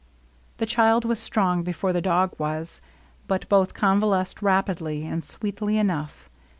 The child was strong before the dog was; but both convalesced rapidly and sweetly enough.